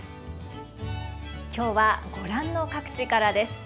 今日はご覧の各地からです。